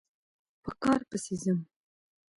په کار پسې ځم